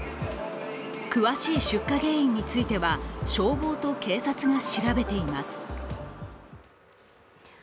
詳しい出火原因については消防と警察が調べています。